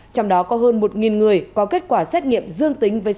trong đó có hơn một người có kết quả xét nghiệm dương tính với sars cov hai